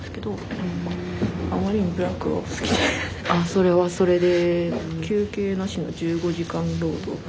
それはそれで。